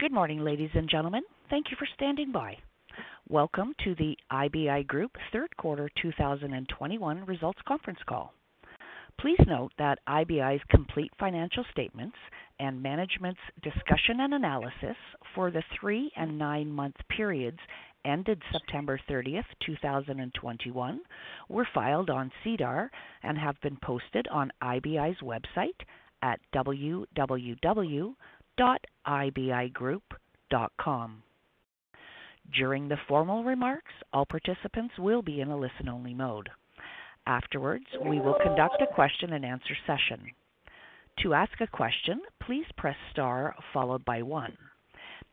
Good morning, ladies and gentlemen. Thank you for standing by. Welcome to the IBI Group third quarter 2021 results conference call. Please note that IBI's complete financial statements and management's discussion and analysis for the three- and nine-month periods ended September 30, 2021 were filed on SEDAR and have been posted on IBI's website at www.ibigroup.com. During the formal remarks, all participants will be in a listen-only mode. Afterwards, we will conduct a question-and-answer session. To ask a question, please press star followed by one.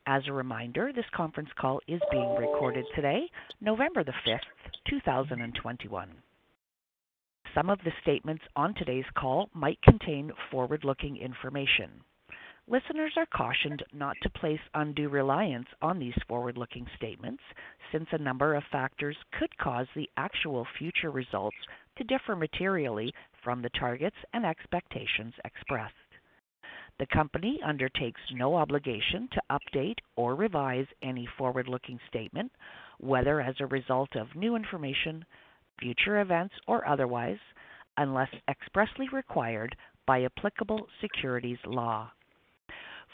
As a reminder, this conference call is being recorded today, November 5, 2021. Some of the statements on today's call might contain forward-looking information. Listeners are cautioned not to place undue reliance on these forward-looking statements, since a number of factors could cause the actual future results to differ materially from the targets and expectations expressed. The company undertakes no obligation to update or revise any forward-looking statement, whether as a result of new information, future events or otherwise, unless expressly required by applicable securities law.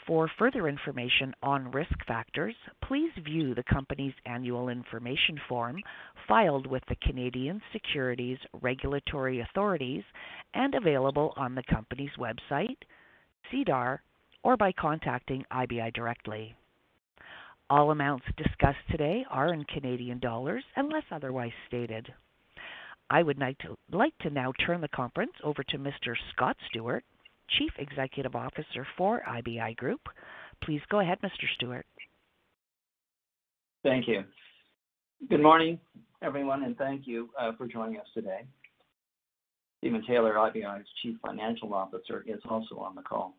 For further information on risk factors, please view the company's annual information form filed with the Canadian Securities Regulatory Authorities and available on the company's website, SEDAR, or by contacting IBI directly. All amounts discussed today are in Canadian dollars unless otherwise stated. I would like to now turn the conference over to Mr. Scott Stewart, Chief Executive Officer for IBI Group. Please go ahead, Mr. Stewart. Thank you. Good morning, everyone, and thank you for joining us today. Stephen Taylor, IBI's Chief Financial Officer, is also on the call.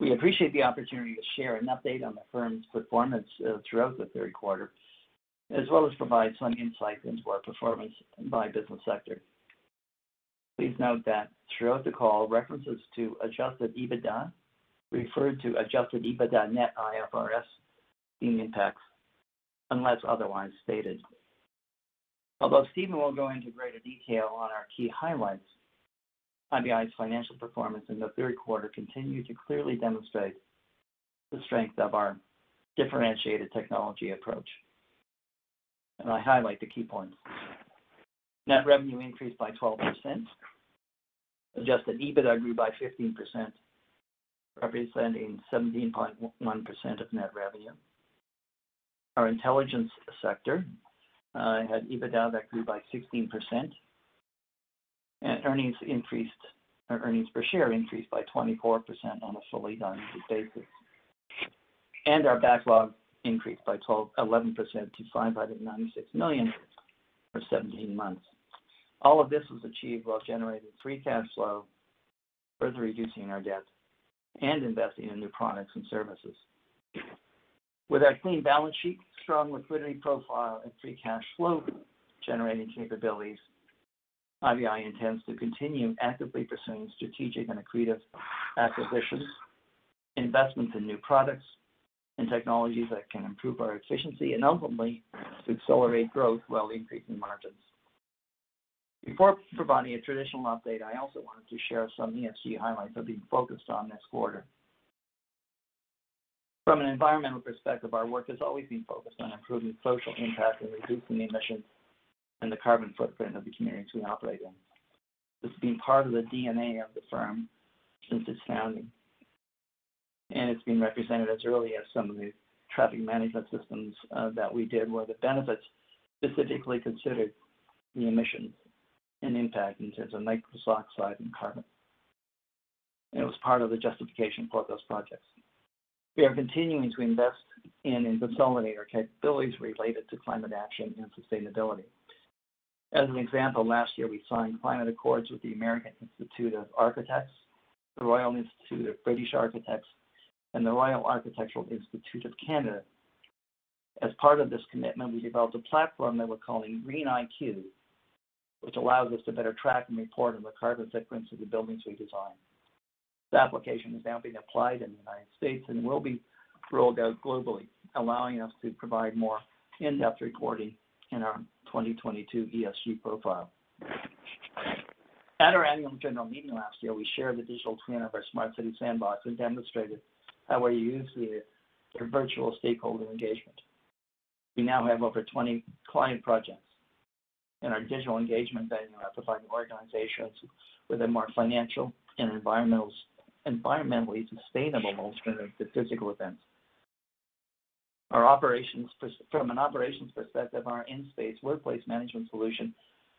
We appreciate the opportunity to share an update on the firm's performance throughout the third quarter, as well as provide some insight into our performance by business sector. Please note that throughout the call, references to adjusted EBITDA refer to adjusted EBITDA net of IFRS 16 impacts unless otherwise stated. Although Stephen will go into greater detail on our key highlights, IBI's financial performance in the third quarter continued to clearly demonstrate the strength of our differentiated technology approach. I highlight the key points. Net revenue increased by 12%. Adjusted EBITDA grew by 15%, representing 17.1% of net revenue. Our intelligence sector had EBITDA that grew by 16%, and earnings per share increased by 24% on a fully diluted basis. Our backlog increased by 11% to 596 million for 17 months. All of this was achieved while generating free cash flow, further reducing our debt and investing in new products and services. With our clean balance sheet, strong liquidity profile and free cash flow generating capabilities, IBI intends to continue actively pursuing strategic and accretive acquisitions, investments in new products and technologies that can improve our efficiency and ultimately to accelerate growth while increasing margins. Before providing a traditional update, I also wanted to share some ESG highlights that we focused on this quarter. From an environmental perspective, our work has always been focused on improving social impact and reducing the emissions and the carbon footprint of the communities we operate in. This has been part of the DNA of the firm since its founding, and it's been represented as early as some of the traffic management systems that we did, where the benefits specifically considered the emissions and impact in terms of nitrous oxide and carbon. It was part of the justification for those projects. We are continuing to invest in and consolidate our capabilities related to climate action and sustainability. As an example, last year we signed climate accords with the American Institute of Architects, the Royal Institute of British Architects, and the Royal Architectural Institute of Canada. As part of this commitment, we developed a platform that we're calling Green IQ, which allows us to better track and report on the carbon footprints of the buildings we design. This application is now being applied in the United States and will be rolled out globally, allowing us to provide more in-depth reporting in our 2022 ESG profile. At our annual general meeting last year, we shared the digital twin of our Smart City Sandbox and demonstrated how we use it for virtual stakeholder engagement. We now have over 20 client projects in our digital engagement venue, providing organizations with a more financial and environmentally sustainable alternative to physical events. From an operations perspective, our Nspace workplace management solution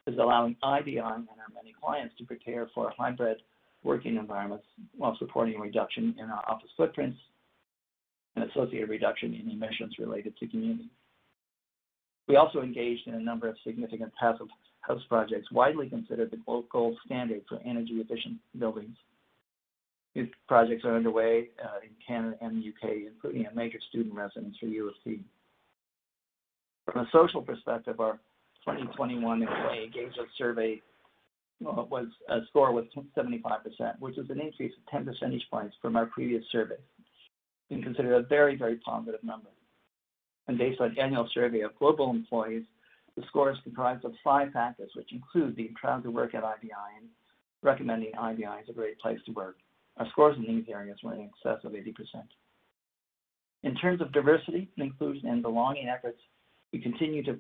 is allowing IBI and our many clients to prepare for hybrid working environments while supporting a reduction in our office footprints and associated reduction in emissions related to commuting. We also engaged in a number of significant Passive House projects, widely considered the gold standard for energy efficient buildings. These projects are underway in Canada and the U.K., including a major student residence for U of T. From a social perspective, our 2021 engagement survey score was 75%, which is an increase of 10 percentage points from our previous survey, and considered a very, very positive number. Based on annual survey of global employees, the score is comprised of 5 factors, which include being proud to work at IBI and recommending IBI as a great place to work. Our scores in these areas were in excess of 80%. In terms of diversity and inclusion and belonging efforts, we continue to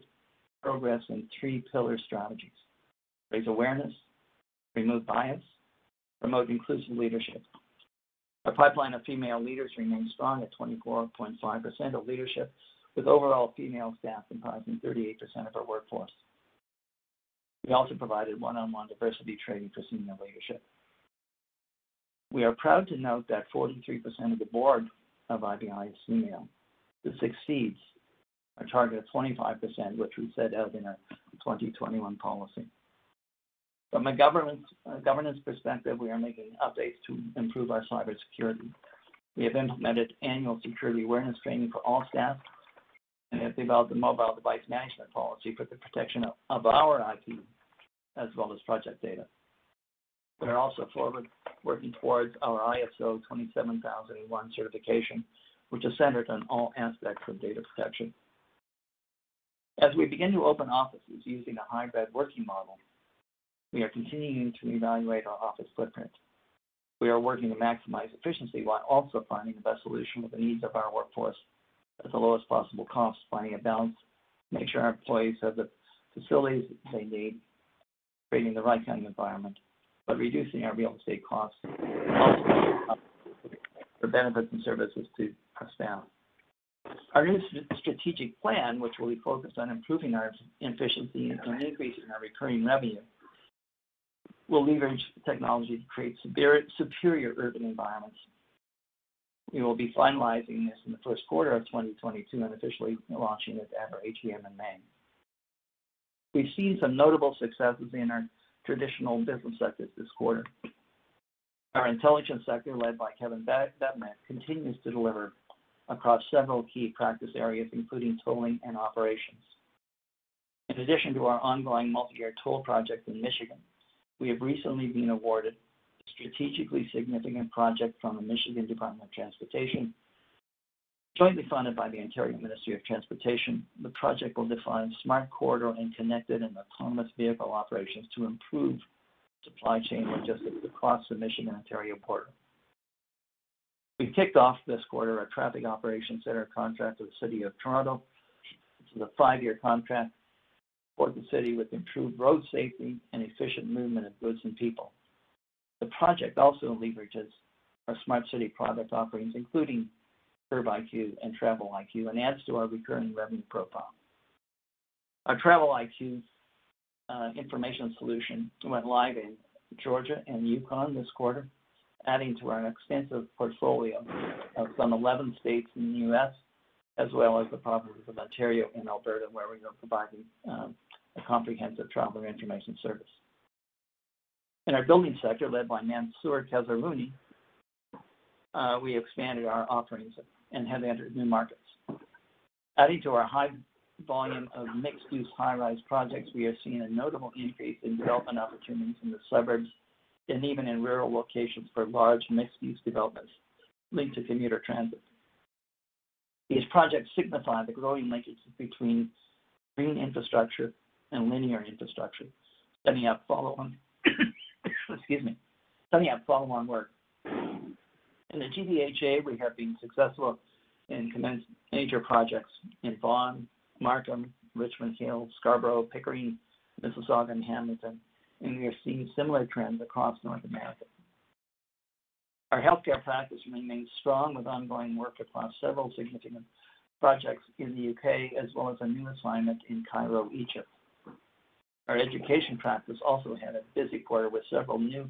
progress in three pillar strategies, raise awareness, remove bias, promote inclusive leadership. Our pipeline of female leaders remains strong at 24.5% of leadership, with overall female staff comprising 38% of our workforce. We also provided one-on-one diversity training for senior leadership. We are proud to note that 43% of the board of IBI is female. This exceeds our target of 25%, which we set out in our 2021 policy. From a governance perspective, we are making updates to improve our cybersecurity. We have implemented annual security awareness training for all staff, and have developed a mobile device management policy for the protection of our IP as well as project data. We are also working towards our ISO 27001 certification, which is centered on all aspects of data protection. As we begin to open offices using a hybrid working model, we are continuing to evaluate our office footprint. We are working to maximize efficiency while also finding the best solution with the needs of our workforce at the lowest possible cost, finding a balance to make sure our employees have the facilities they need, creating the right kind of environment, but reducing our real estate costs and ultimately the benefits and services to our staff. Our new strategic plan, which will be focused on improving our efficiency and increasing our recurring revenue, will leverage technology to create superior urban environments. We will be finalizing this in the first quarter of 2022 and officially launching it at our AGM in May. We've seen some notable successes in our traditional business sectors this quarter. Our intelligence sector, led by Kevin Bebenek, continues to deliver across several key practice areas, including tolling and operations. In addition to our ongoing multi-year toll project in Michigan, we have recently been awarded a strategically significant project from the Michigan Department of Transportation, jointly funded by the Ontario Ministry of Transportation. The project will define smart corridor and connected and autonomous vehicle operations to improve supply chain logistics across the Michigan-Ontario portal. We kicked off this quarter our traffic operations center contract with the City of Toronto. This is a five-year contract to support the city with improved road safety and efficient movement of goods and people. The project also leverages our smart city product offerings, including CurbIQ and Travel-IQ, and adds to our recurring revenue profile. Our Travel-IQ information solution went live in Georgia and Yukon this quarter, adding to our extensive portfolio of some 11 states in the U.S. as well as the provinces of Ontario and Alberta, where we are providing a comprehensive traveler information service. In our building sector, led by Mansour Kazerouni, we expanded our offerings and have entered new markets. Adding to our high volume of mixed-use high-rise projects, we have seen a notable increase in development opportunities in the suburbs and even in rural locations for large mixed-use developments linked to commuter transit. These projects signify the growing linkages between green infrastructure and linear infrastructure, setting up follow-on work. In the GTHA, we have been successful in commencing major projects in Vaughan, Markham, Richmond Hill, Scarborough, Pickering, Mississauga, and Hamilton, and we are seeing similar trends across North America. Our healthcare practice remains strong with ongoing work across several significant projects in the U.K. as well as a new assignment in Cairo, Egypt. Our education practice also had a busy quarter with several new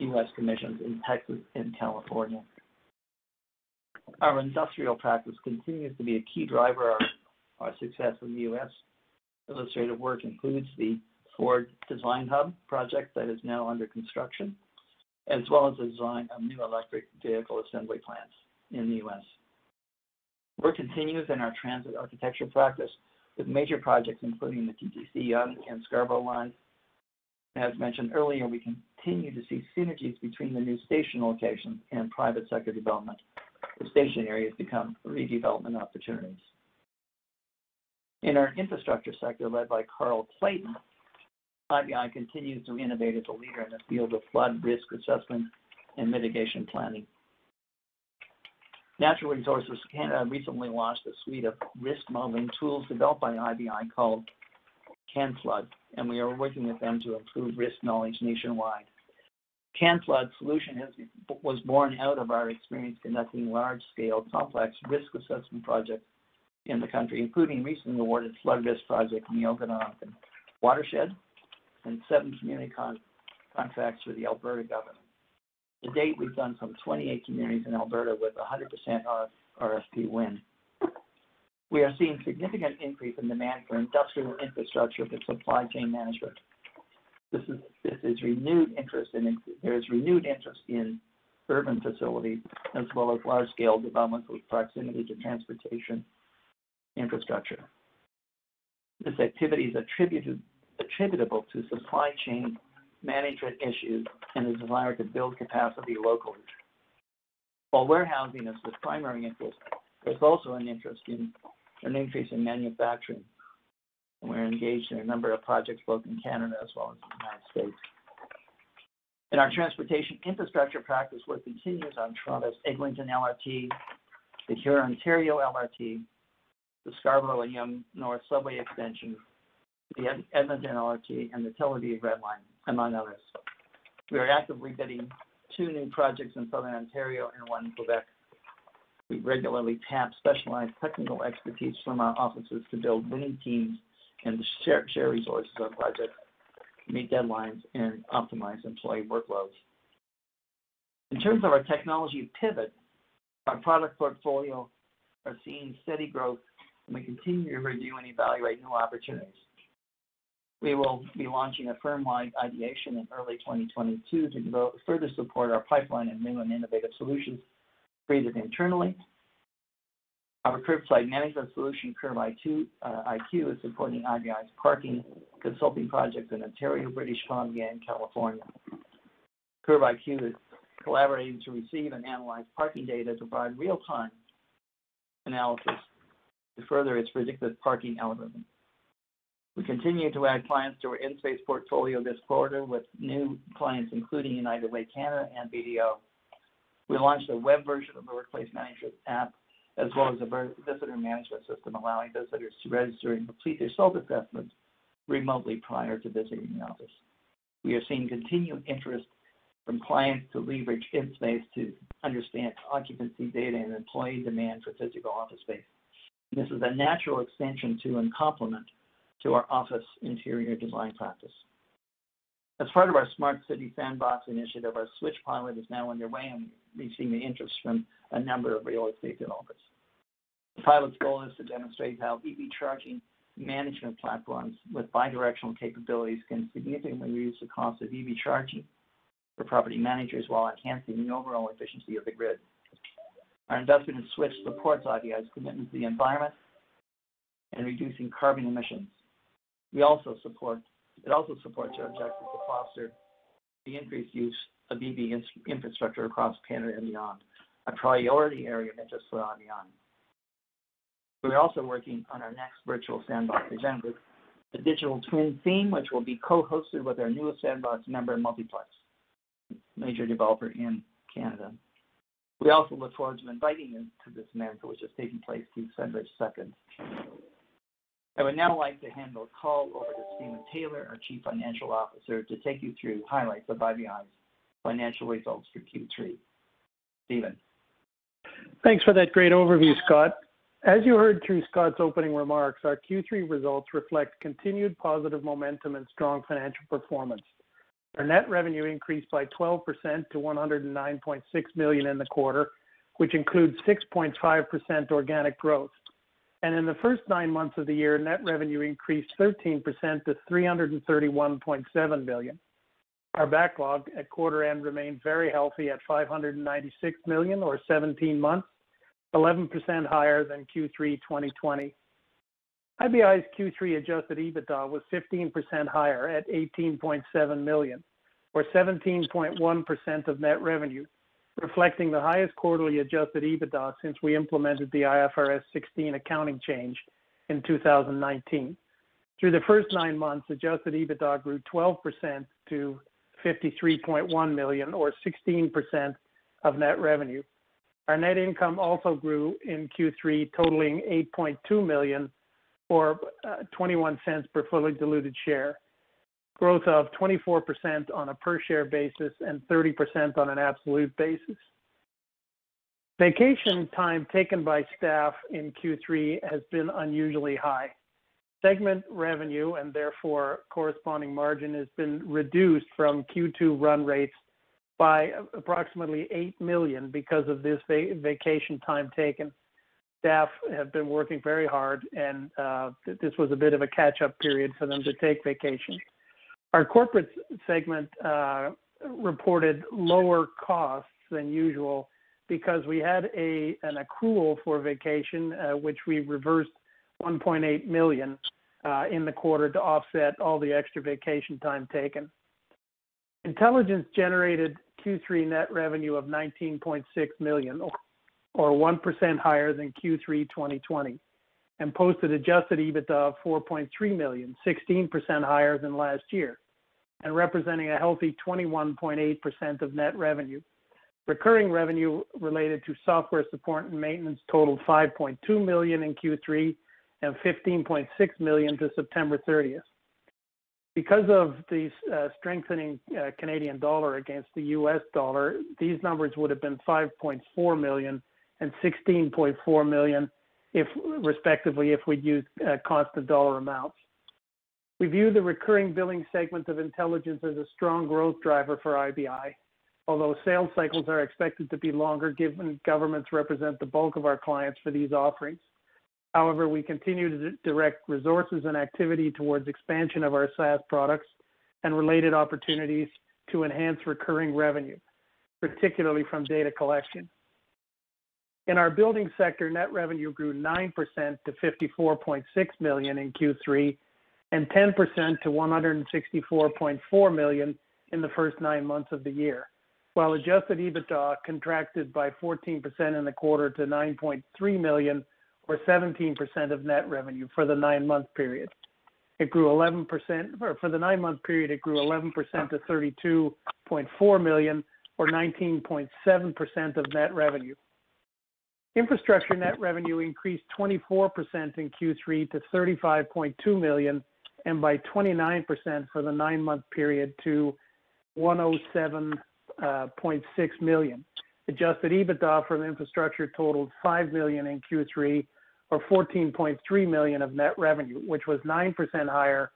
U.S. commissions in Texas and California. Our industrial practice continues to be a key driver of our success in the U.S. Illustrative work includes the Ford Design Hub project that is now under construction, as well as the design of new electric vehicle assembly plants in the U.S. Work continues in our transit architecture practice with major projects including the TTC Yonge and Scarborough line. As mentioned earlier, we continue to see synergies between the new station locations and private sector development. The station areas become redevelopment opportunities. In our infrastructure sector, led by Carl Clayton, IBI continues to innovate as a leader in the field of flood risk assessment and mitigation planning. Natural Resources Canada recently launched a suite of risk modeling tools developed by IBI called CanFlood, and we are working with them to improve risk knowledge nationwide. CanFlood solution was born out of our experience conducting large-scale, complex risk assessment projects in the country, including recently awarded flood risk project in the Okanagan Watershed and 7 community contracts for the Alberta Government. To date, we've done some 28 communities in Alberta with a 100% RFP win. We are seeing significant increase in demand for industrial infrastructure for supply chain management. There is renewed interest in urban facilities as well as large-scale development with proximity to transportation infrastructure. This activity is attributable to supply chain management issues and the desire to build capacity locally. While warehousing is the primary interest, there's also an interest in an increase in manufacturing. We're engaged in a number of projects both in Canada as well as in the United States. In our transportation infrastructure practice, work continues on Toronto's Eglinton LRT, the Hurontario LRT, the Scarborough Subway Extension, the Yonge North Subway Extension, the Edmonton LRT, and the Tel Aviv Red Line, among others. We are actively bidding two new projects in Southern Ontario and one in Quebec. We regularly tap specialized technical expertise from our offices to build winning teams and to share resources on projects, meet deadlines, and optimize employee workloads. In terms of our technology pivot, our product portfolio are seeing steady growth, and we continue to review and evaluate new opportunities. We will be launching a firm-wide ideation in early 2022 to further support our pipeline of new and innovative solutions created internally. Our curbside management solution, CurbIQ, is supporting IBI's parking consulting projects in Ontario, British Columbia, and California. CurbIQ is collaborating to receive and analyze parking data to provide real-time analysis to further its predictive parking algorithm. We continue to add clients to our inSpace portfolio this quarter with new clients, including United Way Canada and BDO. We launched a web version of the workplace management app as well as a visitor management system, allowing visitors to register and complete their self-assessments remotely prior to visiting the office. We are seeing continued interest from clients to leverage inSpace to understand occupancy data and employee demand for physical office space. This is a natural extension to and complement to our office interior design practice. As part of our Smart City Sandbox initiative, our SWTCH pilot is now underway and receiving interest from a number of real estate developers. The pilot's goal is to demonstrate how EV charging management platforms with bidirectional capabilities can significantly reduce the cost of EV charging for property managers while enhancing the overall efficiency of the grid. Our investment in SWTCH supports IBI's commitment to the environment and reducing carbon emissions. It also supports our objective to foster the increased use of EV infrastructure across Canada and beyond, a priority area of interest for IBI. We're also working on our next virtual sandbox agenda, the digital twin theme, which will be co-hosted with our newest sandbox member, Multiplex, a major developer in Canada. We also look forward to inviting you to this event, which is taking place December second. I would now like to hand the call over to Stephen Taylor, our Chief Financial Officer, to take you through highlights of IBI's financial results for Q3. Stephen. Thanks for that great overview, Scott. As you heard through Scott's opening remarks, our Q3 results reflect continued positive momentum and strong financial performance. Our net revenue increased by 12% to 109.6 million in the quarter, which includes 6.5% organic growth. In the first nine months of the year, net revenue increased 13% to 331.7 million. Our backlog at quarter end remained very healthy at 596 million or 17 months, 11% higher than Q3 2020. IBI's Q3 adjusted EBITDA was 15% higher at 18.7 million or 17.1% of net revenue, reflecting the highest quarterly adjusted EBITDA since we implemented the IFRS 16 accounting change in 2019. Through the first 9 months, adjusted EBITDA grew 12% to 53.1 million or 16% of net revenue. Our net income also grew in Q3, totaling 8.2 million or 0.21 per fully diluted share, growth of 24% on a per-share basis and 30% on an absolute basis. Vacation time taken by staff in Q3 has been unusually high. Segment revenue, and therefore corresponding margin, has been reduced from Q2 run rates by approximately 8 million because of this vacation time taken. Staff have been working very hard and this was a bit of a catch-up period for them to take vacation. Our corporate segment reported lower costs than usual because we had an accrual for vacation, which we reversed 1.8 million in the quarter to offset all the extra vacation time taken. Intelligence generated Q3 net revenue of 19.6 million, 1% higher than Q3 2020, and posted adjusted EBITDA of 4.3 million, 16% higher than last year, and representing a healthy 21.8% of net revenue. Recurring revenue related to software support and maintenance totaled 5.2 million in Q3 and 15.6 million to September 30. Because of the strengthening Canadian dollar against the U.S. dollar, these numbers would have been 5.4 million and 16.4 million, respectively, if we'd used constant dollar amounts. We view the recurring billing segment of Intelligence as a strong growth driver for IBI, although sales cycles are expected to be longer given governments represent the bulk of our clients for these offerings. However, we continue to direct resources and activity towards expansion of our SaaS products and related opportunities to enhance recurring revenue, particularly from data collection. In our Buildings sector, net revenue grew 9% to 54.6 million in Q3, and 10% to 164.4 million in the first nine months of the year. While adjusted EBITDA contracted by 14% in the quarter to 9.3 million, or 17% of net revenue for the nine-month period. It grew 11% for the nine-month period to 32.4 million or 19.7% of net revenue. Infrastructure net revenue increased 24% in Q3 to 35.2 million, and by 29% for the nine-month period to 107.6 million. Adjusted EBITDA from infrastructure totaled 5 million in Q3 or 14.3% of net revenue, which was 9% higher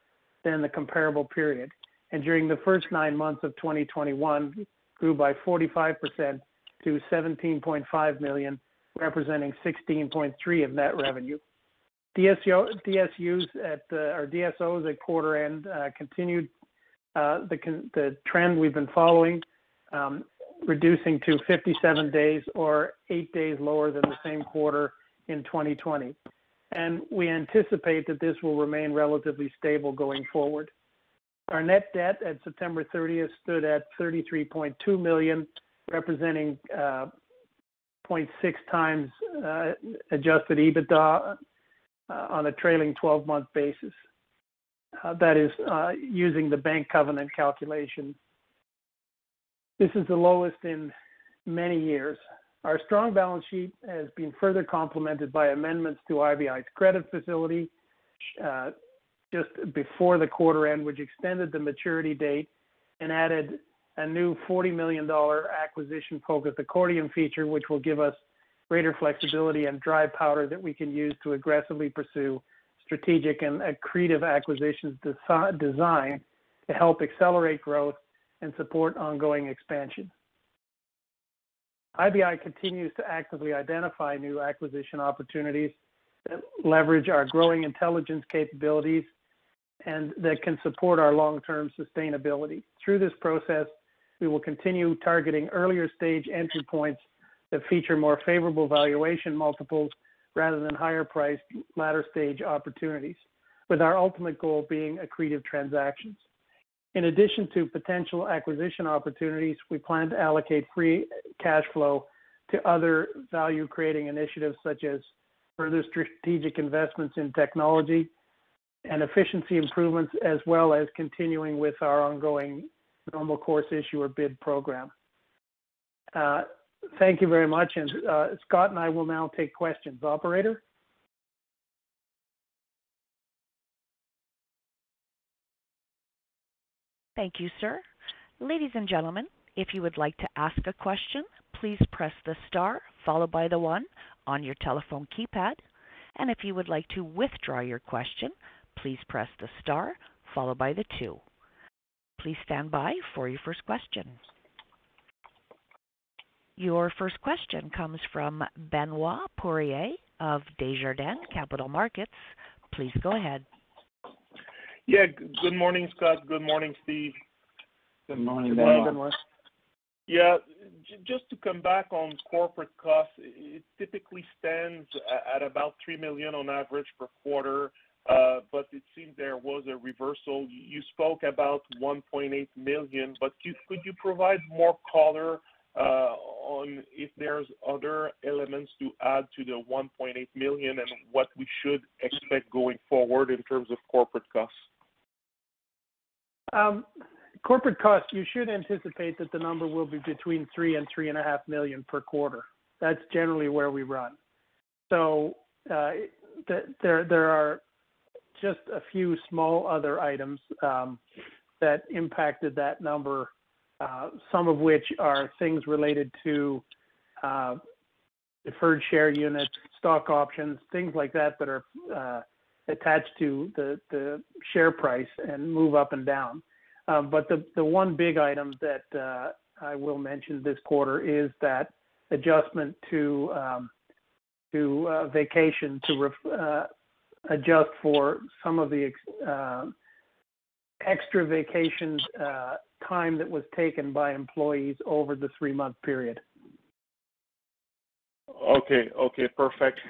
than the comparable period. During the first nine months of 2021, grew by 45% to 17.5 million, representing 16.3% of net revenue. DSOs at quarter end continued the trend we've been following, reducing to 57 days or 8 days lower than the same quarter in 2020. We anticipate that this will remain relatively stable going forward. Our net debt at September 30 stood at 33.2 million, representing 0.6x adjusted EBITDA on a trailing twelve-month basis. That is, using the bank covenant calculation. This is the lowest in many years. Our strong balance sheet has been further complemented by amendments to IBI's credit facility, just before the quarter end, which extended the maturity date and added a new 40 million dollar acquisition focused accordion feature, which will give us greater flexibility and dry powder that we can use to aggressively pursue strategic and accretive acquisitions designed to help accelerate growth and support ongoing expansion. IBI continues to actively identify new acquisition opportunities that leverage our growing intelligence capabilities and that can support our long-term sustainability. Through this process, we will continue targeting earlier stage entry points that feature more favorable valuation multiples rather than higher priced latter stage opportunities, with our ultimate goal being accretive transactions. In addition to potential acquisition opportunities, we plan to allocate free cash flow to other value creating initiatives such as further strategic investments in technology and efficiency improvements, as well as continuing with our ongoing normal course issuer bid program. Thank you very much. Scott and I will now take questions. Operator? Thank you, sir. Ladies and gentlemen, if you would like to ask a question, please press the star followed by one on your telephone keypad. If you would like to withdraw your question, please press the star followed by two. Please stand by for your first question. Your first question comes from Benoit Poirier of Desjardins Capital Markets. Please go ahead. Yeah. Good morning, Scott. Good morning, Steve. Good morning, Benoit. Good morning. Yeah. Just to come back on corporate costs, it typically stands at about 3 million on average per quarter, but it seems there was a reversal. You spoke about 1.8 million, but could you provide more color on if there's other elements to add to the 1.8 million and what we should expect going forward in terms of corporate costs? Corporate costs, you should anticipate that the number will be between 3 million and 3.5 million per quarter. That's generally where we run. There are just a few small other items that impacted that number, some of which are things related to deferred share units, stock options, things like that that are attached to the share price and move up and down. The one big item that I will mention this quarter is that adjustment to vacation, to adjust for some of the extra vacation time that was taken by employees over the three-month period. Okay. Perfect.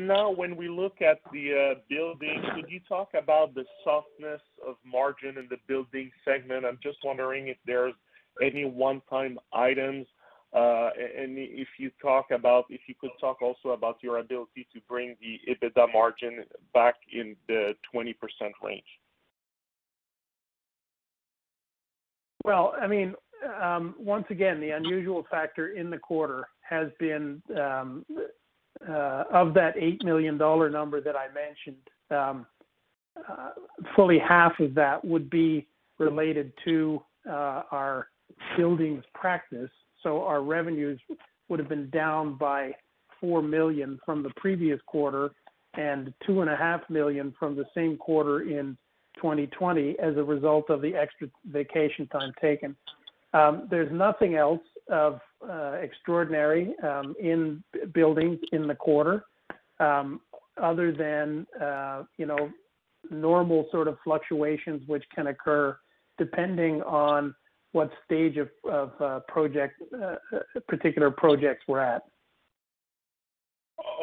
Now when we look at the building, could you talk about the softness of margin in the building segment? I'm just wondering if there's any one-time items. If you could talk also about your ability to bring the EBITDA margin back in the 20% range. Well, I mean, once again, the unusual factor in the quarter has been of that 8 million dollar number that I mentioned. Fully half of that would be related to our Buildings practice. Our revenues would have been down by 4 million from the previous quarter and 2.5 million from the same quarter in 2020 as a result of the extra vacation time taken. There's nothing else of extraordinary in Buildings in the quarter other than you know normal sort of fluctuations which can occur depending on what stage of project particular projects we're at.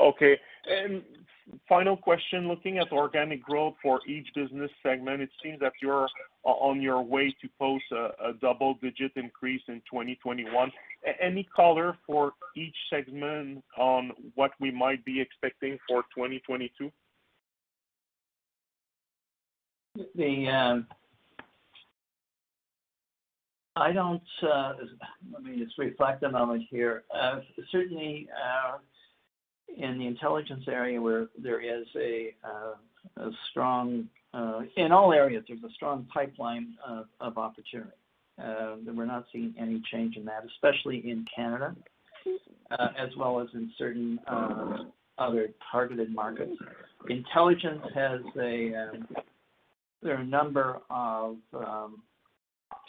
Okay. Final question. Looking at organic growth for each business segment, it seems that you're on your way to post a double-digit increase in 2021. Any color for each segment on what we might be expecting for 2022? Certainly, in the Intelligence area. In all areas, there's a strong pipeline of opportunity. We're not seeing any change in that, especially in Canada, as well as in certain other targeted markets. There are a number of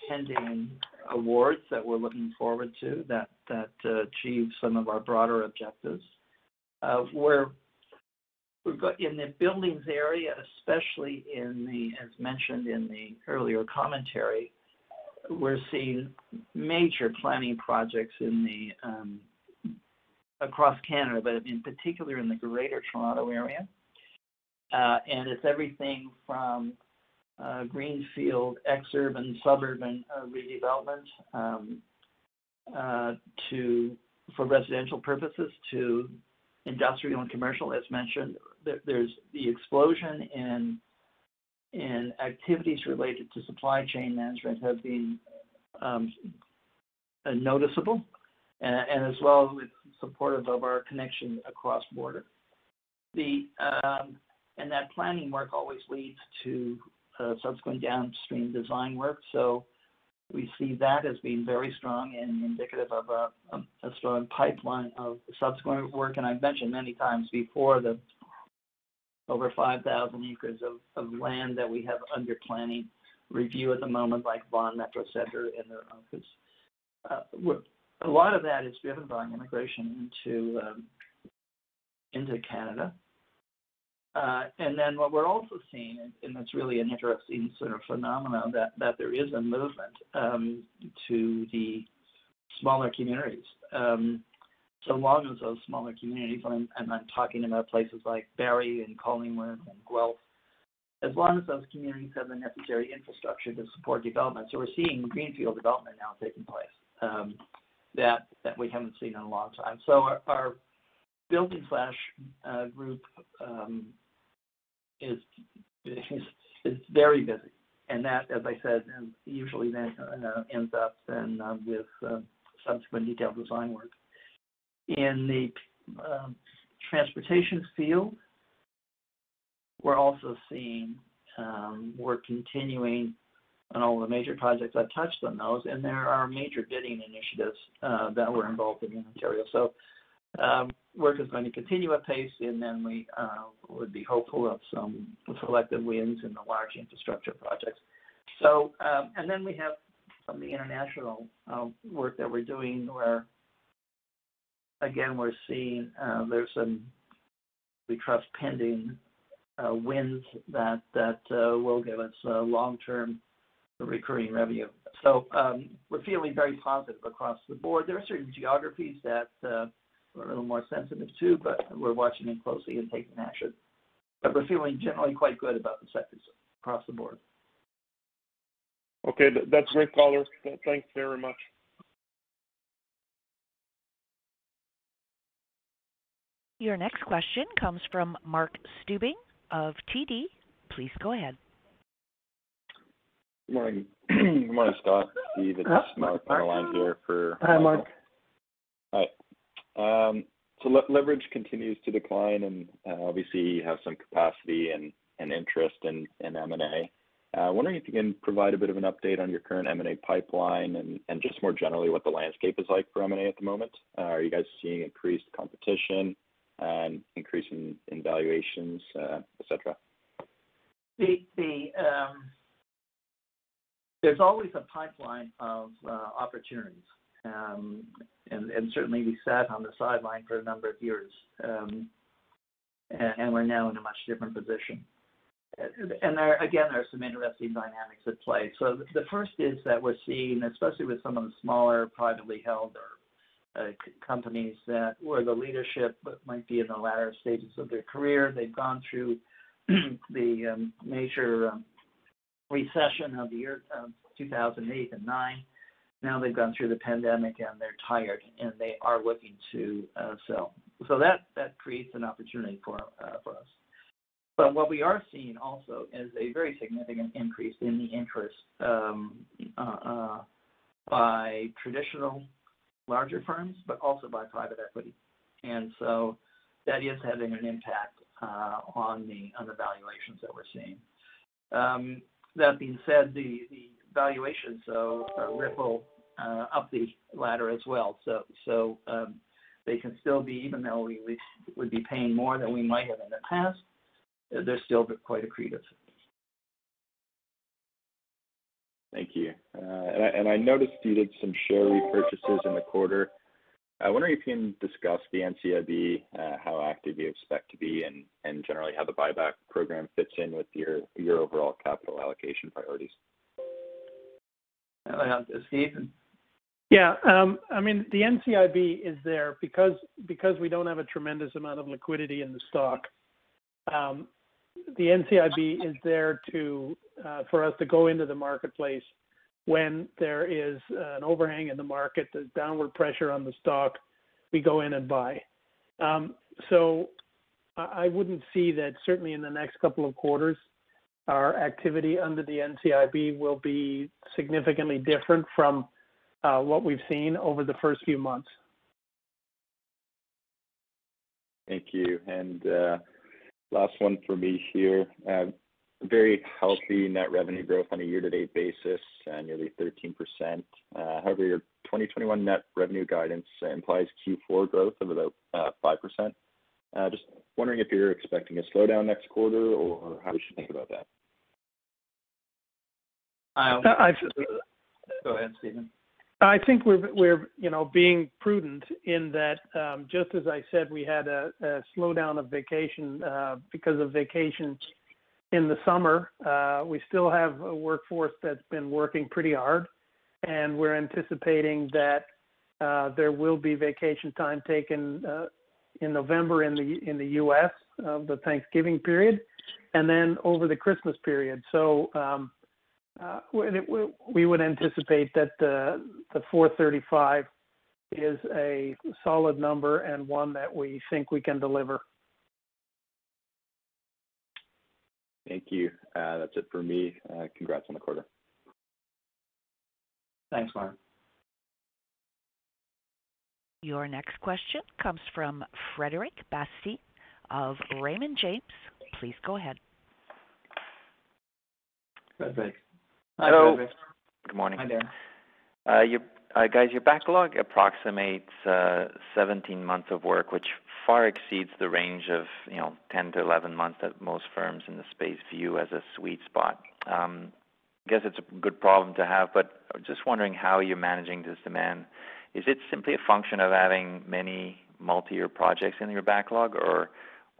pending awards that we're looking forward to that achieve some of our broader objectives. We've got in the Buildings area, especially in, as mentioned in the earlier commentary, we're seeing major planning projects across Canada, but in particular in the Greater Toronto Area. It's everything from greenfield, ex-urban, suburban redevelopment to for residential purposes to industrial and commercial. As mentioned, there's the explosion in activities related to supply chain management have been noticeable and as well as supportive of our cross-border connection. That planning work always leads to subsequent downstream design work. We see that as being very strong and indicative of a strong pipeline of subsequent work. I've mentioned many times before the over 5,000 acres of land that we have under planning review at the moment, like Vaughan Metro Center and others. A lot of that is driven by immigration into Canada. What we're also seeing, and that's really an interesting sort of phenomena, that there is a movement to the smaller communities. So long as those smaller communities, I'm talking about places like Barrie and Collingwood and Guelph, as long as those communities have the necessary infrastructure to support development. We're seeing greenfield development now taking place that we haven't seen in a long time. Our Buildings Group is very busy. That, as I said, usually ends up with subsequent detailed design work. In the transportation field, we're continuing on all the major projects. I've touched on those, and there are major bidding initiatives that we're involved in in Ontario. Work is going to continue apace, and then we would be hopeful of some selective wins in the large infrastructure projects. We have some of the international work that we're doing where again, we're seeing there's some we trust pending wins that will give us long-term recurring revenue. We're feeling very positive across the board. There are certain geographies that we're a little more sensitive to, but we're watching them closely and taking action. We're feeling generally quite good about the sectors across the board. Okay. That's great color. Thanks very much. Your next question comes from Michael Tupholme of TD. Please go ahead. Good morning. Good morning, Scott, Steve. It's Mike on the line here. Hi, Mike. Hi. Leverage continues to decline, and obviously you have some capacity and interest in M&A. I'm wondering if you can provide a bit of an update on your current M&A pipeline and just more generally, what the landscape is like for M&A at the moment. Are you guys seeing increased competition, increase in valuations, et cetera? There's always a pipeline of opportunities. Certainly we sat on the sidelines for a number of years. We're now in a much different position. There again are some interesting dynamics at play. The first is that we're seeing, especially with some of the smaller privately held or companies that, where the leadership might be in the latter stages of their career, they've gone through the major recession of the year 2008 and 2009. Now they've gone through the pandemic and they're tired, and they are looking to sell. That creates an opportunity for us. But what we are seeing also is a very significant increase in the interest by traditional larger firms, but also by private equity. That is having an impact on the valuations that we're seeing. That being said, the valuations ripple up the ladder as well. They can still be even though we would be paying more than we might have in the past. They're still quite accretive. Thank you. I noticed you did some share repurchases in the quarter. I wonder if you can discuss the NCIB, how active you expect to be and generally how the buyback program fits in with your overall capital allocation priorities. I'll hand this to Stephen. Yeah. I mean, the NCIB is there because we don't have a tremendous amount of liquidity in the stock. The NCIB is there for us to go into the marketplace when there is an overhang in the market, there's downward pressure on the stock, we go in and buy. I wouldn't see that, certainly in the next couple of quarters, our activity under the NCIB will be significantly different from what we've seen over the first few months. Thank you. Last one for me here. Very healthy net revenue growth on a year-to-date basis, nearly 13%. However, your 2021 net revenue guidance implies Q4 growth of about 5%. Just wondering if you're expecting a slowdown next quarter or how we should think about that. I'll- I just- Go ahead, Stephen. I think we're you know being prudent in that just as I said we had a slowdown of vacation because of vacations in the summer. We still have a workforce that's been working pretty hard and we're anticipating that there will be vacation time taken in November in the U.S. the Thanksgiving period and then over the Christmas period. We would anticipate that the 435 is a solid number and one that we think we can deliver. Thank you. That's it for me. Congrats on the quarter. Thanks, Michael. Your next question comes from Frederic Bastien of Raymond James. Please go ahead. Frederic. Hello. Hi, Frederic. Good morning. Hi there. Guys, your backlog approximates 17 months of work, which far exceeds the range of, you know, 10-11 months that most firms in the space view as a sweet spot. I guess it's a good problem to have, but just wondering how you're managing this demand. Is it simply a function of having many multi-year projects in your backlog, or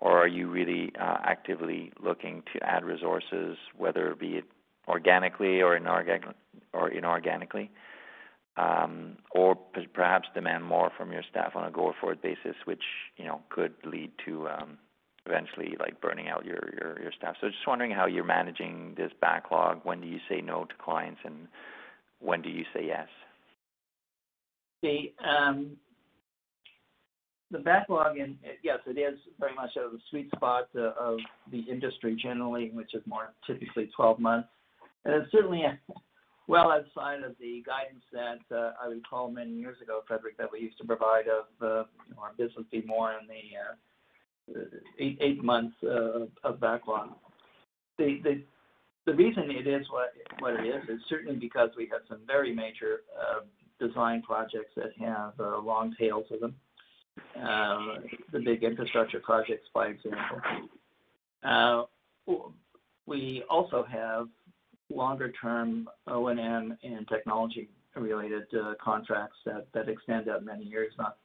are you really actively looking to add resources, whether it be organically or inorganically, or perhaps demand more from your staff on a go forward basis, which, you know, could lead to eventually, like, burning out your staff. Just wondering how you're managing this backlog. When do you say no to clients, and when do you say yes? The backlog and, yes, it is very much a sweet spot of the industry generally, which is more typically 12 months. It's certainly well outside of the guidance that I recall many years ago, Frederic, that we used to provide of, you know, our business be more in the 8 months of backlog. The reason it is what it is is certainly because we have some very major design projects that have long tails to them. The big infrastructure projects, for example. We also have longer term O&M and technology related contracts that extend out many years, not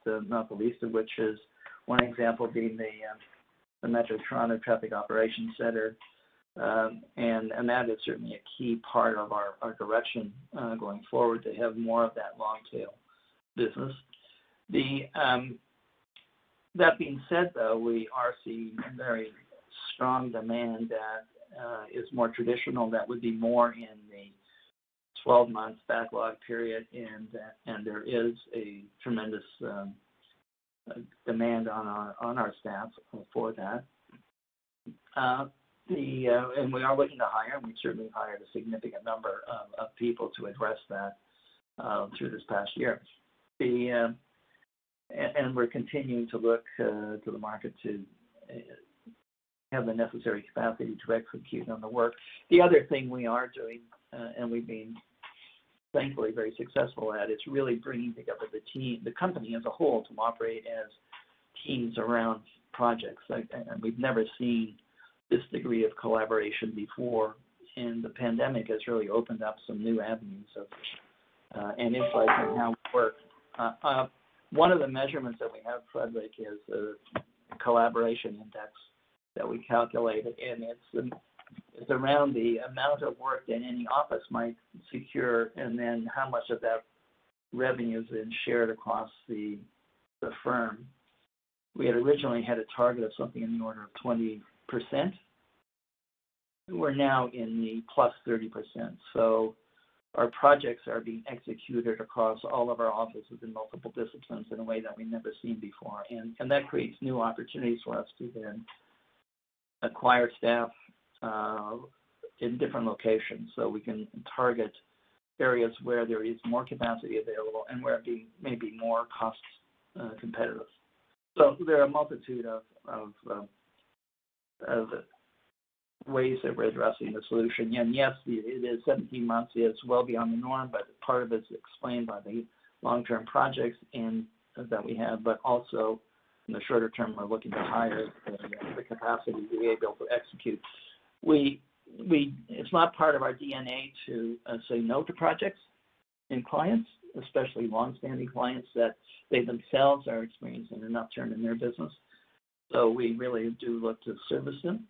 the least of which is one example being the Metro Toronto Traffic Operations Center. That is certainly a key part of our direction going forward to have more of that long tail business. That being said, though, we are seeing very strong demand that is more traditional. That would be more in the 12 months backlog period. There is a tremendous demand on our staff for that. We are looking to hire. We certainly hired a significant number of people to address that through this past year. We're continuing to look to the market to have the necessary capacity to execute on the work. The other thing we are doing and we've been thankfully very successful at, it's really bringing together the team, the company as a whole, to operate as teams around projects. Like, we've never seen this degree of collaboration before, and the pandemic has really opened up some new avenues and insights in how we work. One of the measurements that we have, Frederic, is the collaboration index that we calculate, and it's around the amount of work that any office might secure and then how much of that revenue has been shared across the firm. We had originally had a target of something in the order of 20%. We're now in the plus 30%. Our projects are being executed across all of our offices in multiple disciplines in a way that we've never seen before. That creates new opportunities for us to then acquire staff in different locations, so we can target areas where there is more capacity available and where it may be more cost competitive. There are a multitude of ways that we're addressing the solution. Yes, it is 17 months. It's well beyond the norm, but part of it is explained by the long-term projects that we have, but also in the shorter term, we're looking to hire the capacity to be able to execute. It's not part of our DNA to say no to projects and clients, especially long-standing clients, that they themselves are experiencing an upturn in their business. We really do look to service them.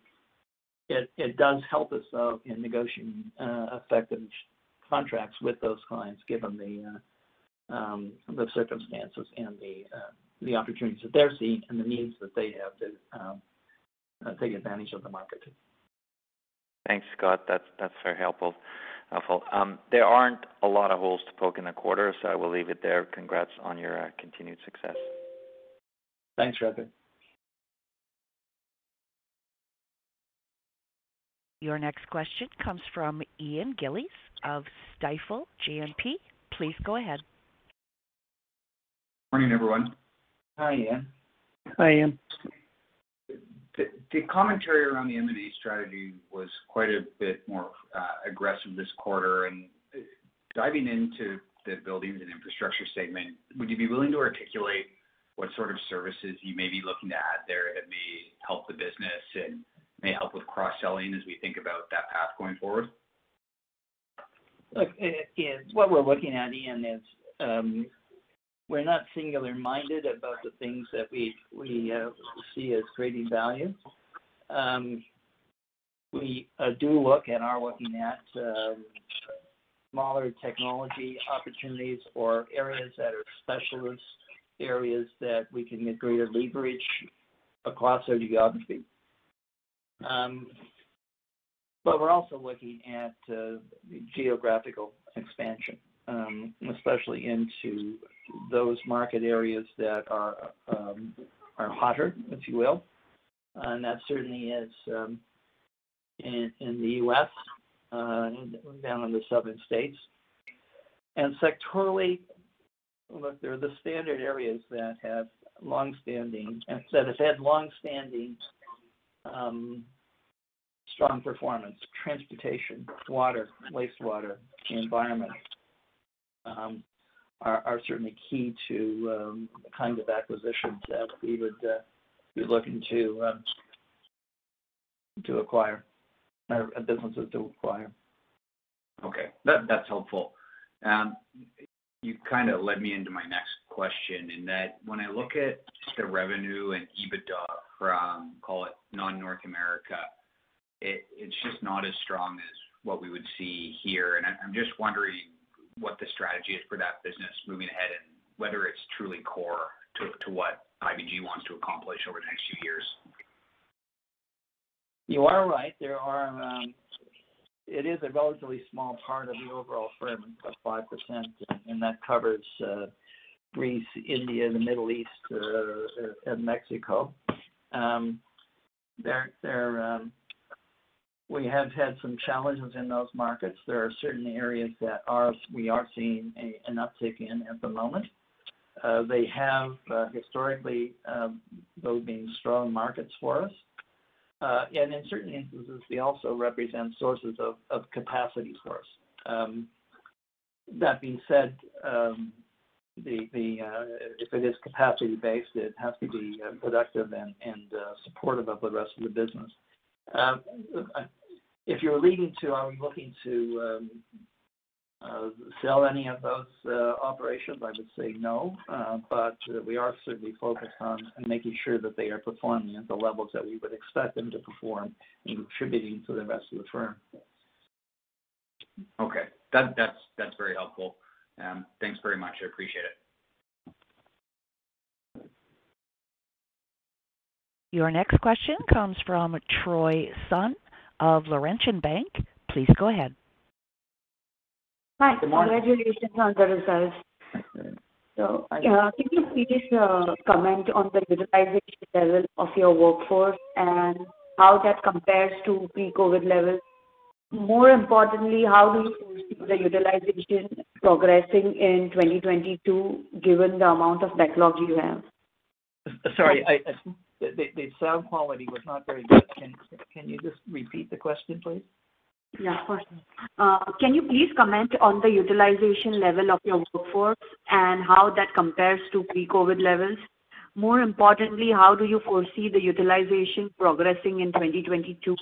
It does help us, though, in negotiating effective contracts with those clients, given the circumstances and the opportunities that they're seeing and the needs that they have to take advantage of the market. Thanks, Scott. That's very helpful. There aren't a lot of holes to poke in the quarter, so I will leave it there. Congrats on your continued success. Thanks, Frederic. Your next question comes from Ian Gillies of Stifel GMP. Please go ahead. Morning, everyone. Hi, Ian. Hi, Ian. The commentary around the M&A strategy was quite a bit more aggressive this quarter. Diving into the buildings and infrastructure segment, would you be willing to articulate what sort of services you may be looking to add there that may help the business and may help with cross-selling as we think about that path going forward? Look, Ian, what we're looking at, Ian, is we're not single-minded about the things that we see as creating value. We do look and are looking at smaller technology opportunities or areas that are specialist areas that we can agree to leverage across our geography. But we're also looking at geographical expansion, especially into those market areas that are hotter, if you will. That certainly is in the U.S., down in the southern states. Sectorally, look, they're the standard areas that have had longstanding strong performance. Transportation, water, wastewater, environment are certainly key to the kinds of acquisitions that we would be looking to acquire or businesses to acquire. Okay. That's helpful. You kind of led me into my next question in that when I look at the revenue and EBITDA from, call it, non-North America, it's just not as strong as what we would see here. I'm just wondering what the strategy is for that business moving ahead and whether it's truly core to what IBI wants to accomplish over the next few years. You are right. It is a relatively small part of the overall firm, about 5%, and that covers Greece, India, the Middle East, and Mexico. We have had some challenges in those markets. There are certain areas that we are seeing an uptick in at the moment. They have historically been strong markets for us. In certain instances, they also represent sources of capacity for us. That being said, if it is capacity based, it has to be productive and supportive of the rest of the business. If you're alluding to are we looking to sell any of those operations, I would say no. We are certainly focused on making sure that they are performing at the levels that we would expect them to perform in contributing to the rest of the firm. Okay. That's very helpful. Thanks very much. I appreciate it. Your next question comes from Troy Sun of Laurentian Bank. Please go ahead. Hi. Good morning. Congratulations on the results. Thanks. Can you please comment on the utilization level of your workforce and how that compares to pre-COVID levels? More importantly, how do you foresee the utilization progressing in 2022, given the amount of backlog you have? Sorry. The sound quality was not very good. Can you just repeat the question, please? Yeah, of course. Can you please comment on the utilization level of your workforce and how that compares to pre-COVID levels? More importantly, how do you foresee the utilization progressing in 2022,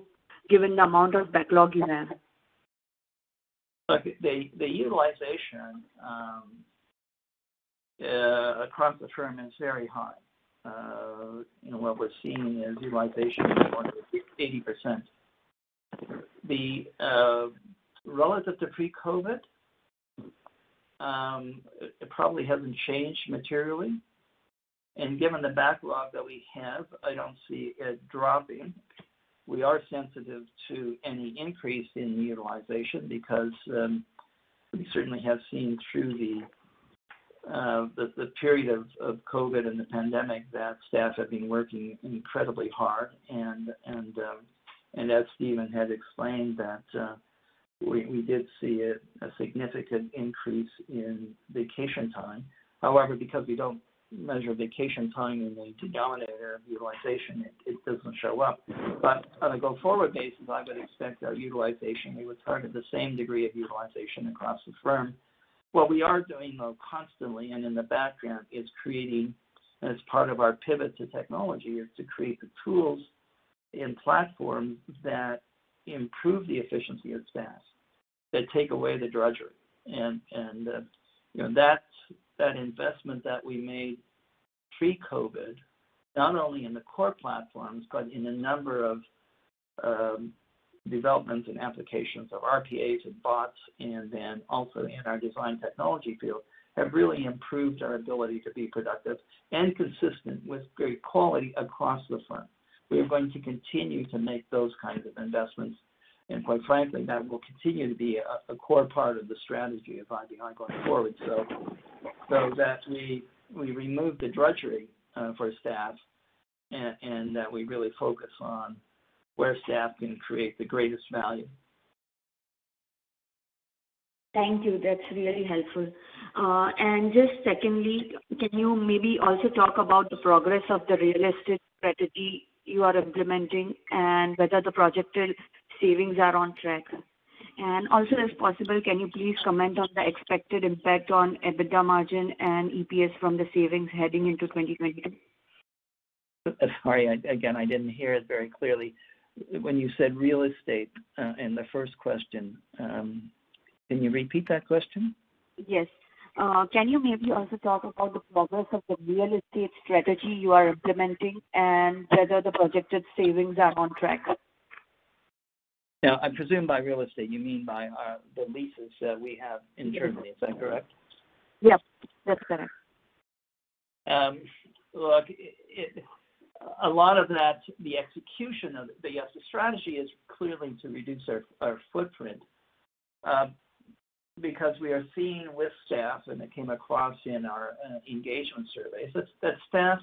given the amount of backlog you have? Look, the utilization across the firm is very high. You know, what we're seeing is utilization of 80%. Relative to pre-COVID, it probably hasn't changed materially. Given the backlog that we have, I don't see it dropping. We are sensitive to any increase in the utilization because we certainly have seen through the period of COVID and the pandemic that staff have been working incredibly hard. And as Stephen had explained that, we did see a significant increase in vacation time. However, because we don't measure vacation time in the denominator of utilization, it doesn't show up. On a go-forward basis, I would expect our utilization. We would target the same degree of utilization across the firm. What we are doing, though, constantly and in the background, is to create the tools and platforms that improve the efficiency of staff, that take away the drudgery. you know, that investment that we made pre-COVID, not only in the core platforms, but in a number of developments and applications of RPAs and bots, and then also in our design technology field, have really improved our ability to be productive and consistent with great quality across the firm. We are going to continue to make those kinds of investments. Quite frankly, that will continue to be a core part of the strategy of IBI going forward, so that we remove the drudgery for staff and that we really focus on where staff can create the greatest value. Thank you. That's really helpful. Just secondly, can you maybe also talk about the progress of the real estate strategy you are implementing and whether the projected savings are on track? If possible, can you please comment on the expected impact on EBITDA margin and EPS from the savings heading into 2022? Sorry, again, I didn't hear it very clearly. When you said real estate in the first question, can you repeat that question? Yes. Can you maybe also talk about the progress of the real estate strategy you are implementing and whether the projected savings are on track? Now, I presume by real estate you mean the leases that we have internally. Is that correct? Yep, that's correct. The strategy is clearly to reduce our footprint because we are seeing with staff, and it came across in our engagement surveys, that staff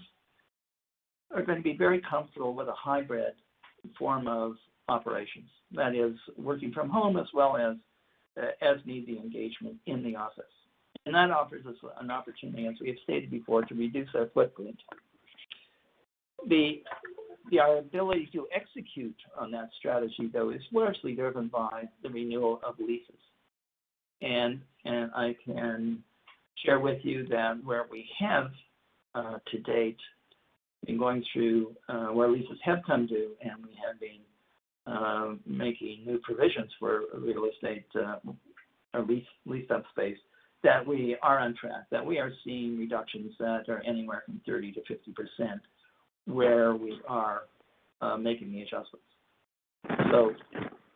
are gonna be very comfortable with a hybrid form of operations, that is working from home as well as needed engagement in the office. That offers us an opportunity, as we have stated before, to reduce our footprint. The ability to execute on that strategy, though, is largely driven by the renewal of leases. I can share with you that where we have to date been going through where leases have come due and we have been making new provisions for real estate or leased-up space, that we are on track, that we are seeing reductions that are anywhere from 30%-50% where we are making the adjustments.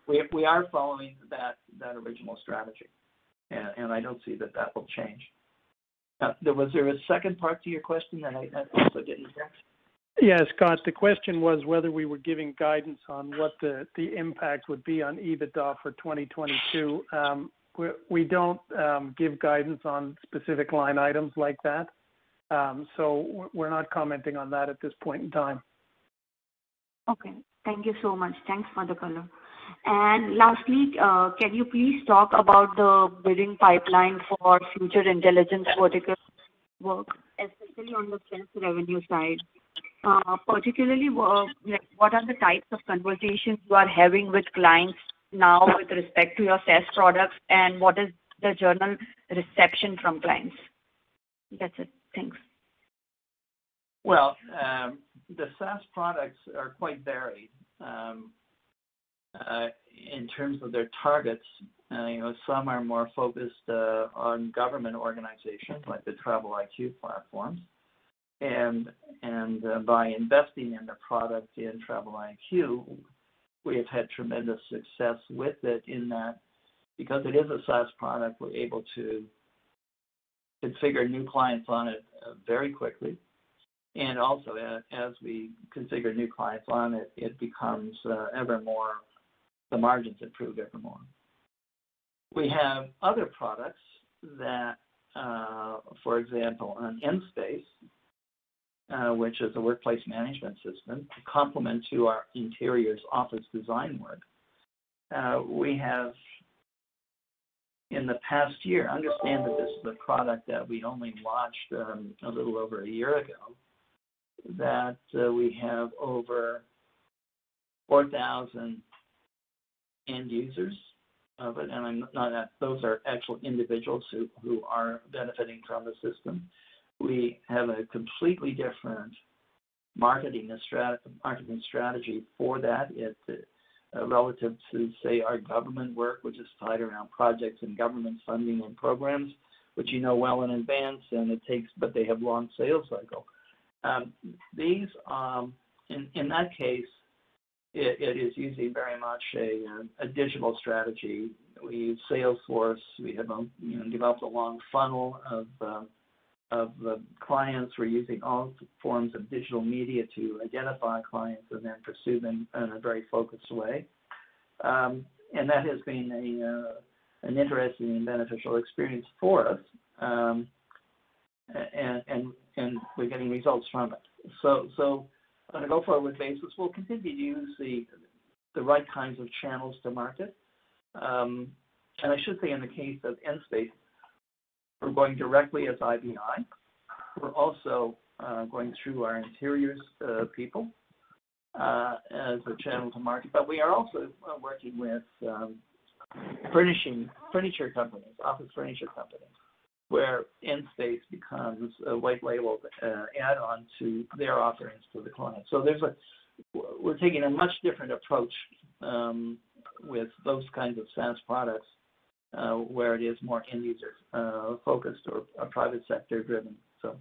We are following that original strategy. I don't see that will change. Now, there was. Was there a second part to your question that I also didn't catch? Yes, Scott. The question was whether we were giving guidance on what the impact would be on EBITDA for 2022. We don't give guidance on specific line items like that. We're not commenting on that at this point in time. Okay. Thank you so much. Thanks for the color. Lastly, can you please talk about the bidding pipeline for future intelligence verticals work, especially on the SaaS revenue side? Particularly, like what are the types of conversations you are having with clients now with respect to your SaaS products, and what is the general reception from clients? That's it. Thanks. Well, the SaaS products are quite varied in terms of their targets. You know, some are more focused on government organizations like the Travel IQ platform. By investing in the product in Travel IQ, we have had tremendous success with it in that because it is a SaaS product, we're able to configure new clients on it very quickly. Also as we configure new clients on it becomes ever more the margins improve evermore. We have other products that, for example, on Nspace, which is a workplace management system to complement to our interiors office design work. Understand that this is a product that we only launched a little over a year ago, that we have over 4,000 end users of it. Now those are actual individuals who are benefiting from the system. We have a completely different marketing strategy for that. It's relative to, say, our government work, which is tied around projects and government funding and programs, which you know well in advance, but they have long sales cycle. In that case, it is usually very much a digital strategy. We use Salesforce. We have, you know, developed a long funnel of clients. We're using all forms of digital media to identify clients and then pursue them in a very focused way. That has been an interesting and beneficial experience for us. We're getting results from it. On a go-forward basis, we'll continue to use the right kinds of channels to market. I should say in the case of Nspace, we're going directly as IBI. We're also going through our interiors people as a channel to market. We are also working with furniture companies, office furniture companies, where Nspace becomes a white label add-on to their offerings for the client. We're taking a much different approach with those kinds of SaaS products where it is more end user focused or private sector driven. Thank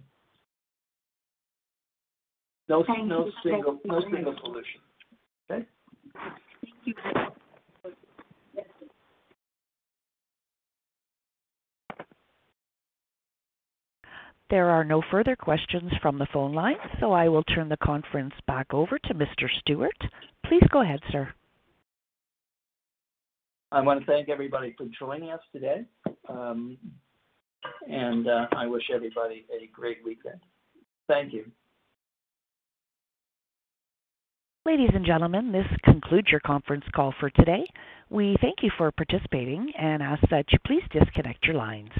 you. No single solution. Okay? Thank you. There are no further questions from the phone line, so I will turn the conference back over to Mr. Stewart. Please go ahead, sir. I want to thank everybody for joining us today. I wish everybody a great weekend. Thank you. Ladies and gentlemen, this concludes your conference call for today. We thank you for participating and ask that you please disconnect your lines.